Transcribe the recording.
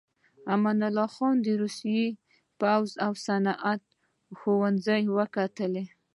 امان الله خان د روسيې پوځي او صنعتي ښوونځي وکتل.